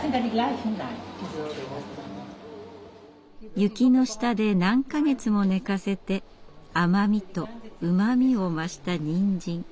雪の下で何か月も寝かせて甘みとうまみを増したにんじん。